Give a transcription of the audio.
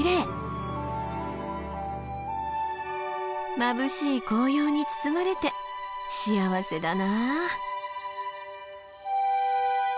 まぶしい紅葉に包まれて幸せだな。